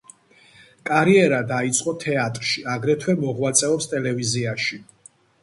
კარიერა დაიწყო თეატრში, აგრეთვე მოღვაწეობს ტელევიზიაში.